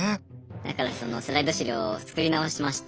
だからそのスライド資料を作り直しまして。